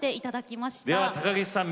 では高岸さん